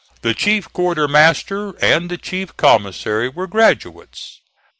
The chief quartermaster and the chief commissary were graduates.